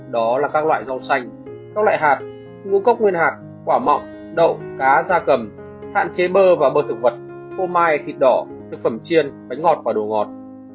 đó là các loại rau xanh các loại hạt ngũ cốc nguyên hạt quả mọng đậu cá da cầm hạn chế bơ và bơ thực vật khô mai thịt đỏ thực phẩm chiên bánh ngọt và đồ ngọt